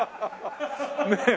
ねえ？